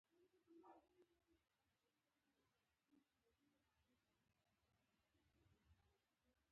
يوه غوغا جوړه شوه.